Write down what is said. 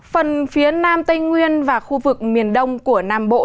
phần phía nam tây nguyên và khu vực miền đông của nam bộ